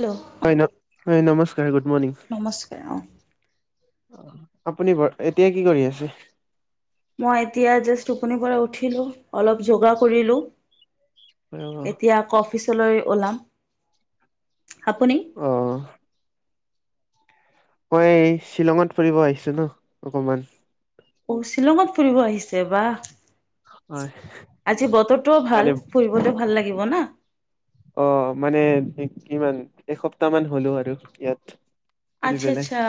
Hello হয় ন হয় নমস্কাৰ গুড মৰ্ণিং নমস্কাৰ আপুনি ব এতিয়া কি কৰি আছে মই এতিয়া জাষ্ট টোপনিৰ পৰা উঠিলোঁ অলপ যোগা কৰিলোঁ এতিয়া আকৌ অফিচলৈ ওলাম আপুনি আহ মই শ্বিলঙত ফুৰিব আহিছিলোঁ অকমান অ', শ্বিলঙত ফুৰিব আহিছে বাহ। হয় আজি বতৰটোও মানে ভাল ফুৰিবত ভাল লাগিব না অ', মানে কিমান এসপ্তাহ মান হলো আৰু ইয়াত। ঘুৰি আচ্ছা পেলাই আচ্ছা,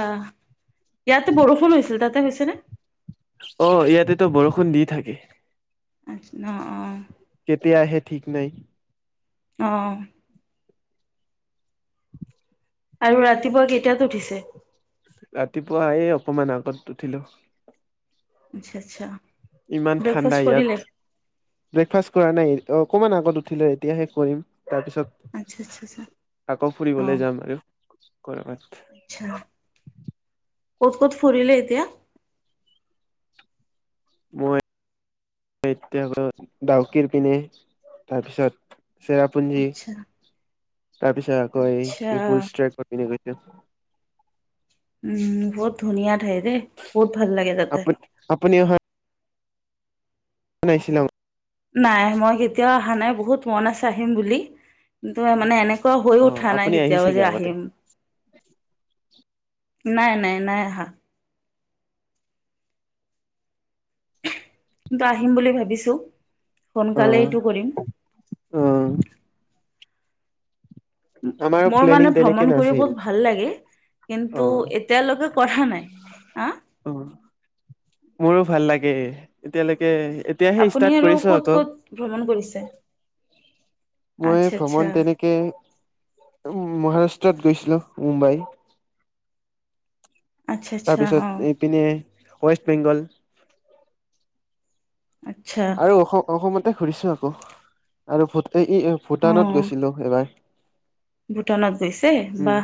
ইয়াতে বৰষুণ হৈছিল তাতে হৈছে নে? অ', ইয়াতেতো বৰষুণ দি থাকে। অ', অ', কেতিয়া আহ ঠিক নাই। অ ', আৰু ৰাতিপুৱা কেইটাত উঠিছে? ৰাতিপুৱা আহি অকমান আগত উঠিলো। আচ্ছা-আচ্ছা। ইমান ঠাণ্ডা ইয়াত ব্ৰেকফাষ্ট কৰা নাই অ, অকমান আগত উঠিলে এতিয়াহে কৰিম আচ্ছা আচ্ছা আচ্ছা তাৰপিছত আকৌ অ ফুৰিবলৈ যাম আৰু কৰ'বাত। ক'ত-ক'ত ফুৰিলি এতিয়া? মই এতিয়া ডাউকীৰ পিনে তাৰপিছত চেৰাপুঞ্জী আচ্ছা তাৰপিছত আকৌ আচ্ছা এই বুল ষ্ট্ৰেক কৰিবলৈ গৈছে এ [unintelligible] উম, বহুত ধুনীয়া ঠাই দে বহুত ভাল লাগে তাতে। আপু বাইছিল নাম নাই মই কেতিয়াও অহা নাই বহুত মন আছে আহিম বুলি কিন্তু মানে এনে ক হৈয় অ' উঠা নাই আপুনি কেতিয়া বজি আহিছেগে আগতে। আহিম। নাই-নাই-নাই আহা। কিন্তু আহিম বুলি ভাবিছো। সোনকালে অ' এইটো কৰিম। অ' আমাৰো মোৰ প্লেনিং মানে তেনেকে ভ্ৰমণ কৰি নাছিল। বহুত ভাল লাগে। কিন্তু অ' এতিয়ালৈকে কৰা নাই হা? অ' মোৰো ভাল লাগে এতিয়ালৈকে এতিয়াহে আপুনি ষ্টাৰ্ট আৰু কৰিছ ক'ত ক'ত ভ্ৰমণ কৰিছে আকৌ। মই আচ্ছা আচ্ছা ভ্ৰমণ তেনেকে উ মহাৰাষ্ট্ৰত গৈছিলো মুম্বাই। আচ্ছা আচ্ছা অ তাৰপিছত এইপিনে ৱেষ্ট বেংগল। আচ্ছা আৰু অসম - অসমতে ঘুৰিছো আকৌ আৰু বহুত এই ই অ ভূটানত গৈছিলোঁ এইবাৰ। ভূটানত গৈছে বা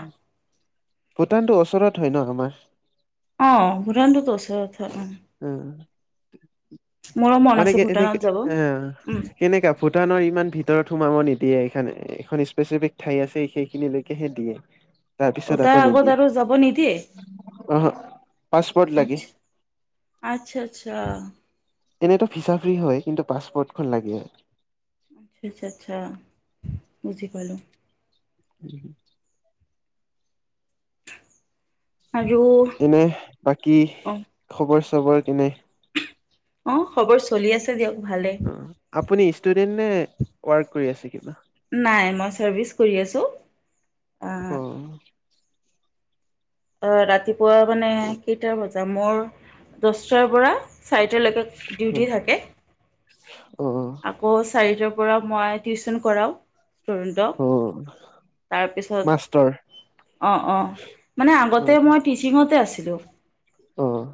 ভূটানটো ওচৰত হয় ন আমাৰ। আহ ভৰাণ্টোতো আছেথা অ'। উম। মোৰো মন মানে আছে কি এনেকে ভূটানত যাব। এ উম, কেনেকা ভূটানৰ ইমান ভিতৰত সোমাব নি দিয়ে এখন এখন স্পেচিফিক ঠাই আছে সেইখিনিলৈকেহে দিয়ে। অ তাৰপিছত তাৰ আকৌ আগত নিদিয়ে আৰু যাব নিদিয়ে? অহ পাছপৰ্ট লাগে। আচ্ছা, আচ্ছা আচ্ছা। এনেতো ভিছা ফ্ৰী হয় কিন্তু পাছপোৰ্টখন লাগে। আচছা আচ্ছা আচ্ছা, বুজি পালো। [inaudible] আৰু এনে বাকী খবৰ চবৰ কেনে? অঁ খবৰ চলি আছে দিয়ক। ভালে। অ', আপুনি ষ্টুডেন্ট নে ৱৰ্ক কৰি আছে? কিবা নাই, মই চাৰ্ভিচ কৰি আছো। অ অ', ৰাতিপুৱা মানে কেইটা বজা মোৰ দস্তাৰ পৰা চাৰিটালৈকে ডিউটি থাকে। [inaudible] আকৌ চাৰিটাৰ পৰা মই টিউচন কৰাও ষ্টুডেন্টক। অ তাৰপিছত মাষ্টৰ অ', অ', মানে অ আগতে মই টিচিঙতে আছিলোঁ। অ'।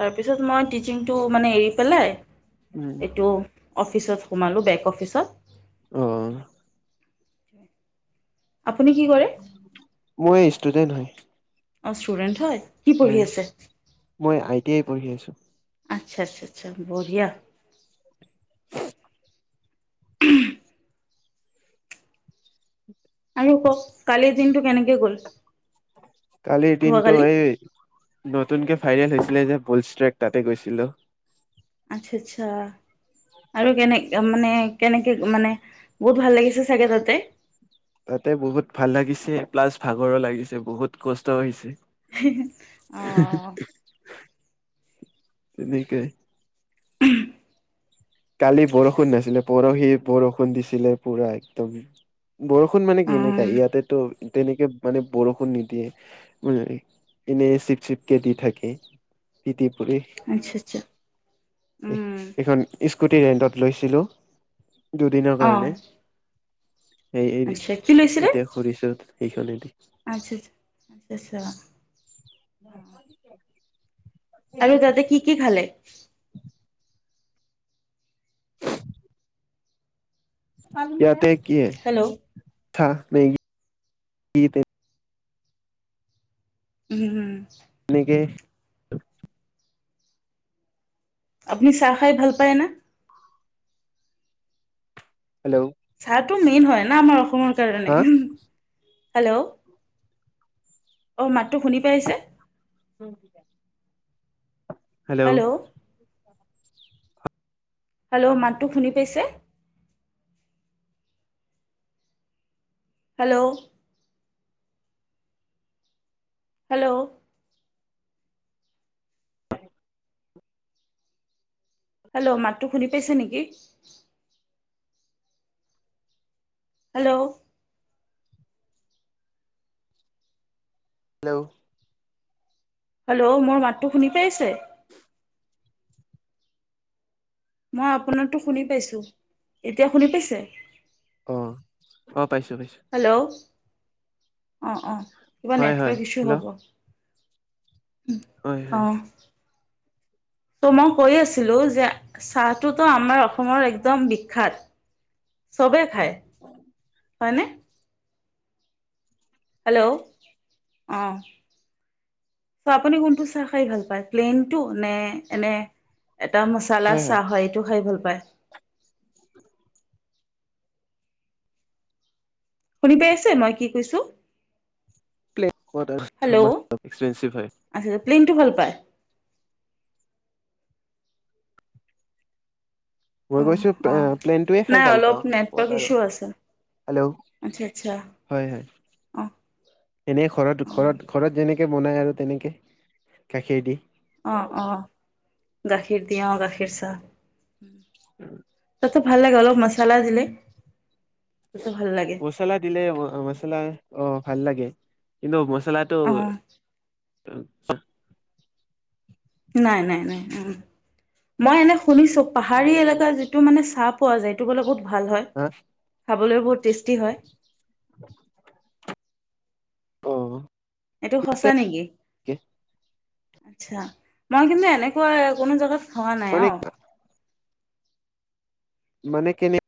তাৰপিছত মই টিচিংটো মানে এৰি পেলাই উম এইটো অফিচত সোমালোঁ, বেক অফিচত। অ', আপুনি কি কৰে মই ষ্টুডেন্ট হয়। অ', ষ্টুডেণ্ট হয়। কি পঢ়ি হয়, আছে মই আই টি আই পঢ়ি আছো। আচ্ছা, আচ্ছা আচ্ছা, বঢ়িয়া। আৰু কওঁক কালিৰ দিনটো কেনেকে গল? কালিৰ দিনটো যোৱাকালি এই ন নতুনকে ভাইৰেল হৈছিলে যে বুলষ্ট্ৰেক তাতে গৈছিলো। আচ্ছা, আচ্ছা। আৰু কেনেক মানে কেনেকে মানে বহুত ভাল লাগিছে চাগে তাতে। তাতে বহুত ভাল লাগিছে, প্লাছ ভাগৰো লাগিছে, বহুত কষ্টও হৈছে। অ', অ'। তেনেকেই। উম কালি বৰষুণ নাছিলে, পৰহি বৰষুণ দিছিলে পুৰা একদম। বৰষুণ মানে অ কেনেকা ইয়াতেতো তেনেকে মানে বৰষুণ নিদিয়ে। এনেই চিপ চিপকে দি থাকে। [unintelligible] এহ আচ্ছা আচ্ছা উম এইখন। স্কুটি ৰেণ্টত লৈছিলোঁ দুদিনৰ অ কাৰণে। এইৰি আচ্ছা কি লৈছিলে এতিয়া কৰিছো সেইখনেদি। আচ্ছা, আচ্ছা, আচ্ছা, আচ্ছা। [unintelligible] আৰু তাতে কি কি খালে? [unintelligible] ইয়াতে কি হেল্ল' থাক নেকি? উ'ম। এনেকে আপুনি চাহ খাই ভাল পায় নে? হেল্ল'। টো মেইন হয় না আমাৰ অসমৰ কাৰণে, হা হেল্ল'। অ', মাতটো শুনি পাইছে? হৈ কিবা। হেল্ল'। হেল্ল' মানটো শুনি পাইছে? Hello hello. হেল্ল' মাতটো শুনি পাইছে নেকি? হেল্ল'। হেল্ল'। হেল্ল, মোৰ মাতটো শুনি পাইছে? মই আপোনাৰটো শুনি পাইছো। এতিয়া শুনি পাইছে? অ', অ'। পাইছো পাইছো হেল্ল, অ' অ' কিবা হয় হয় নেটৱৰ্ক ইছ্যু হেল্ল' হ'ব। হয় অ হয়। ত' মই কৈ আছিলো যে চাহটোতো আমাৰ অসমৰ একদম বিখ্যাত। চবে খায়, হয়নে? হেল্ল, অ'। চ আপুনি কোনটো চাহ খাই ভাল পায়? প্লেইনটো নে এনে এটা মচালা চাহ হয় এইটো খাই ভাল পায়। শুনি পাই আছে মই কি কৈছো? [unintelligible] প্লিনটো ভাল পায়। মই কৈছো অ', প্লেনটোৱে অ', খাই নাই ভাল অলপ পাওঁ ক'ত নেটৱৰ্ক আৰু ইছু আছে। হেল্ল' আচ্ছা আচ্ছা, অহ। এনে ঘৰত ঘৰত ঘৰত যেনেকে বনাই আৰু তেনেকে গাখীৰ দি। অ', অ', গাখীৰ দি অ' গাখীৰ চাহ। তাতো ভাল লাগে অলপ মচালা দিলে। তাতো ভাল লাগে মচলা দিলে অ' মচলা অ' ভাল লাগে কিন্তু ম চুনাইটো অঁ নাই নাই নাই, মই এনে শুনিছো পাহাৰী এলেকা যিটো মানে চাহ পোৱা যায়, এইটো বোলে বহুত ভাল হয়, হা খাবলৈও বহুত টেষ্টি হয়। অ'। এইটো সঁচা নেকি? আচ্ছা, মই কিন্তু এনেকুৱা কোনো জোগাত খোৱা নাই মানে অ। মনে কেনে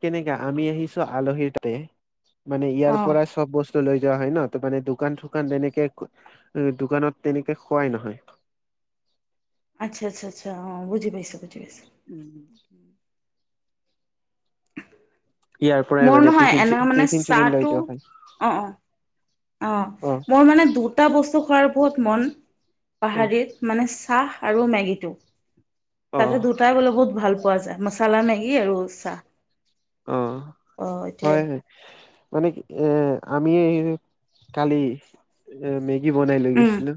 কেনেকা আমি আহিছো আলহীৰ ততে, মানে ইয়াৰ অ পৰাই চব বস্তু লৈ দা হয় ন ত মানে দোকান চোকান তেনেকে দোকানত তেনেকে খুৱাই নহয়। [inaudible] আচ্ছা আচ্ছা আচ্ছা অ' বুজি পাইছোঁ। উম। ইয়াৰ পৰাই মোৰ মানে নহয় টিফিন এনে চি- মানে টিফিন চিফিন লৈ চাহটো যোৱা হয় অ', অ'। অ' মোৰ মানে দুটা বস্তু খোৱাৰ বহুত মন, অ পাহৰিত মানে চাহ আৰু মেগী টো অ তাতে দুটাই বোলে বহুত ভাল পোৱা যায়। মচালা মেগি আৰু চাহ। অ, অ এইটোৱে হয় হয়। মানে কি এ আমি কালি মে কি বনাই লৈ উম গৈছিলো?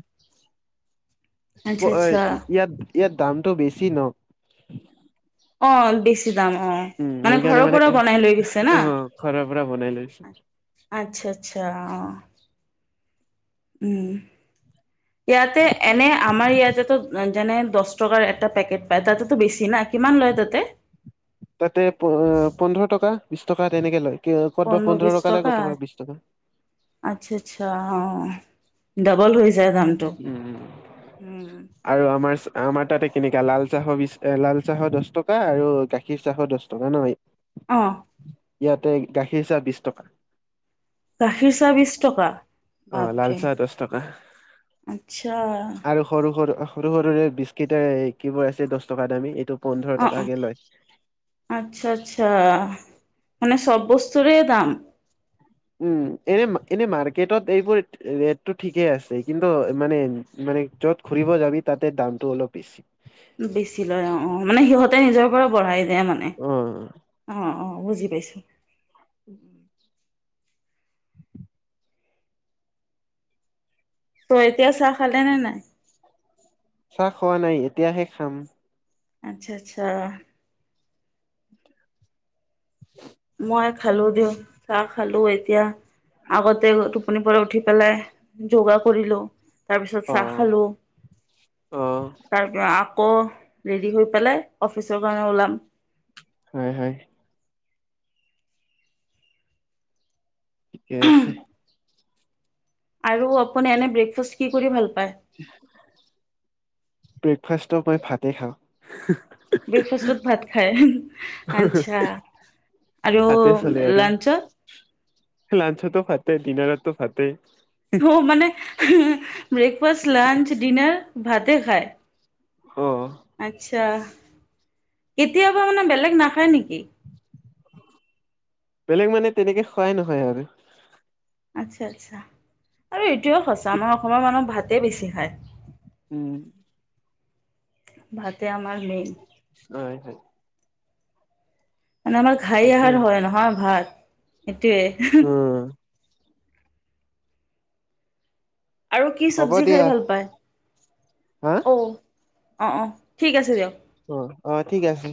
আচ্ছা আচ্ছা ইয়াত ইয়াত দামটো বেছি ন। অ বেছি দাম অ উম, সেইকাৰণে ঘৰৰ মানে পৰা বনাই লৈ গৈছে না অ' ঘৰৰ পৰা বনাই লৈছো। আচ্ছা, আচ্ছা অ'। উম, ইয়াতে এনে আমাৰ ইয়াতেতো যেনে দচ টকাৰ এটা পেকেট পায় তাতেতো বেছি না কিমান লয় তাতে। তাতে প-পোন্ধৰ টকা, বিশ টকা তেনেকে লয়। ক'তব পোন্ধৰ টকা লাগ কতব বিশ টকা। আচ্ছা আচ্ছা অ', ডবল হৈ যায় দামটো উম, উম আৰু আমাৰ আমাৰ তাতে কেনেকা, লাল চাহৰ বি লাল চাহৰ দহ টকা আৰু গাখীৰ চাহৰ দহ টকা ন। অ ইয়াতে গাখীৰ চাহ বিশ টকা। গাখীৰ চাহ বিছ টকা অ লাল ভাপেম। চাহ দহ টকা আচ্ছা। আৰু সৰু সৰু সৰু সৰুৰে বিস্কিট কিবোৰ আছে দহ টকা দামী এইটো পোন্ধৰ অ' অ' টকাকে লয় আচ্ছা আচ্ছা, মানে চব বস্তু চুৰেদাম। উম, এনে এনে মাৰ্কেটত এইবোৰৰ ৰেটটো ঠিকেই আছে। কিন্তু মানে মানে য'ত ঘুৰিব যাবি, তাতে দামটো অলপ বেছি। বেছি লয় অ' অ' মানে সিহঁতে নিজৰ পৰা বঢ়াই দিয় মানে অ', অ'। বুজি পাইছোঁ। উম। তই এতিয়া চাহ খালে নে নাই? চাহ খোৱা নাই এতিয়াহে খাম। আচ্ছা, আচ্ছা। মই খালো দিওঁ চাহ খালো এতিয়া। আগতে টোপনিৰ পৰা উঠি পেলাই যোগা কৰি লওঁ। তাৰপিছত অ চাহ খালোঁ, অ তাৰপৰা আকৌ ৰেডি হৈ পেলাই অফিচৰ কাৰণে ওলাম। হয় হয়। ঠিকে আছে। আৰু আপুনি এনে ব্ৰেকফাষ্ট কি কৰি ভাল পায়। ব্ৰেকফাষ্ট মই ভাতে খাওঁ। ব্ৰেকফাষ্টত ভাত খায়, আচ্ছা। আৰু ভাতে চলে আৰু লঞ্চত? লাঞ্চতো ফাটতে ডিনাৰতো ফাতে। অ', মানে ব্ৰেকফাষ্ট, লাঞ্চ, ডিনাৰ ভাতে খায়। অ আচ্ছা কেতিয়াবা মানে বেলেগ নাখায় নেকি? বেলেগ মানে তেনেকে খুৱাই নহয় আৰু। আচ্ছা আচ্ছা, আৰু এইটোৱও সঁচা কি- আমাৰ অসমৰ মানুহ ভাতেই বেছি খায়। উম। ভাতে আমাৰ মেইন। হয় হয় মানে আমাৰ ঘাই সেইটোয়ে আহাৰ হয় নহয় ভাত। সেইটোৱে। উম আৰু কি হ'ব চব্জি খাই দিয়া ভাল পায়? হা অহ। অ' অ' ঠিক আছে দিয়ক। অ', অ', ঠিক আছে।